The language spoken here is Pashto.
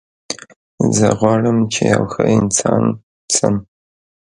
زه غواړم چې یو ښه انسان شم